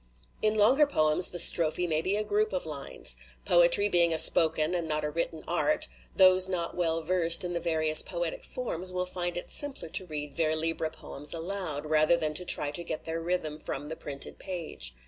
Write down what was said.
"In longer poems the strophe may be a group of lines. Poetry being a spoken and not a written art, those not well versed in the various poetic forms will find it simpler to read vers libre poems aloud, rather than to try to get their rhythm from the printed page.